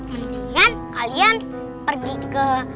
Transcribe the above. mendingan kalian pergi ke